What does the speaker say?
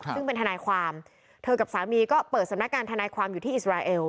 ซึ่งเป็นทนายความเธอกับสามีก็เปิดสำนักงานทนายความอยู่ที่อิสราเอล